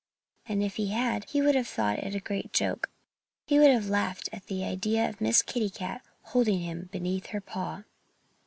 And if he had, he would have thought it a great joke. He would have laughed at the idea of Miss Kitty Cat holding him beneath her paw.